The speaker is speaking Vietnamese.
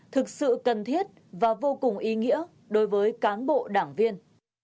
thực sự cần thiết và vô cùng ý nghĩa đối với cán bộ đảng viên